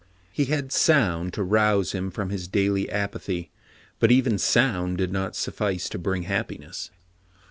He had Soun to rouse him from his daily, apathy ; but even Soun did not suffice to bring happiness.